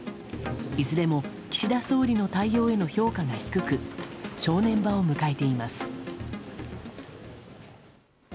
いずれも岸田総理の対応への評価が低く正念場を迎えています。